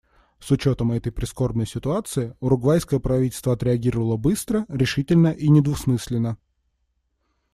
С учетом этой прискорбной ситуации, уругвайское правительство отреагировало быстро, решительно и недвусмысленно.